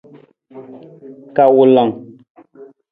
Kawulang.